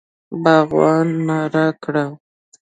باغوان ناره کړه!